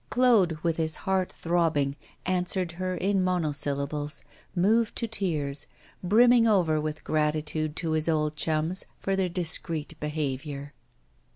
Claude, with his heart throbbing, answered her in monosyllables, moved to tears, brimming over with gratitude to his old chums for their discreet behaviour.